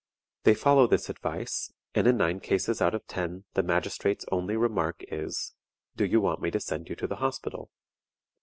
They follow this advice, and in nine cases out of ten the magistrate's only remark is, "Do you want me to send you to the Hospital?"